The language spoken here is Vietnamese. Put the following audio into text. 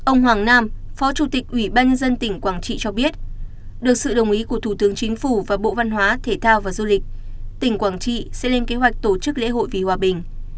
ông hoàng nam phó chủ tịch ủy ban nhân dân tỉnh quảng trị cho biết được sự đồng ý của thủ tướng chính phủ và bộ văn hóa thể thao và du lịch tỉnh quảng trị sẽ lên kế hoạch tổ chức lễ hội vì hòa bình